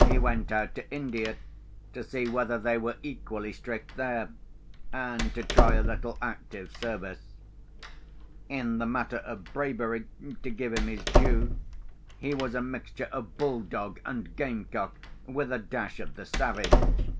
He went out to India to see whether they were equally strict there, and to try a little active service. In the matter of bravery (to give him his due), he was a mixture of bull dog and game cock, with a dash of the savage.